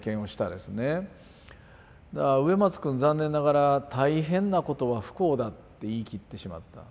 だから植松くん残念ながら「大変なことは不幸だ」って言い切ってしまった。